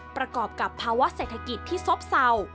ประกอบกับภาวะเศรษฐกิจที่ซบเศร้า